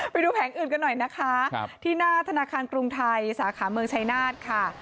แผงอื่นกันหน่อยนะคะที่หน้าธนาคารกรุงไทยสาขาเมืองชายนาฏค่ะ